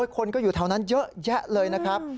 คนก็อยู่แถวนั้นเยอะแยะเลยนะครับ